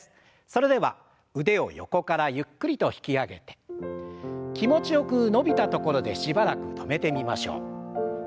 それでは腕を横からゆっくりと引き上げて気持ちよく伸びたところでしばらく止めてみましょう。